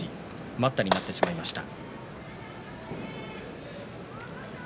待ったになってしまいました。